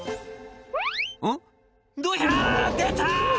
「ん？どひゃ！出た！」